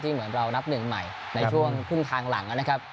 เหมือนเรานับหนึ่งใหม่ในช่วงครึ่งทางหลังนะครับ